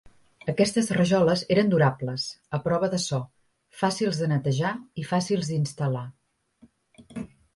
Aquestes rajoles eren durables, a prova de so, fàcils de netejar i fàcils d'instal·lar.